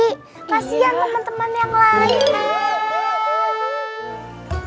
kasian teman teman yang lain